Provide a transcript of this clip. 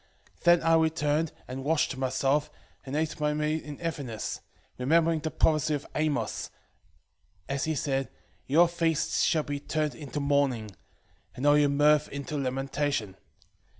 2:5 Then I returned, and washed myself, and ate my meat in heaviness, 2:6 Remembering that prophecy of Amos, as he said, Your feasts shall be turned into mourning, and all your mirth into lamentation.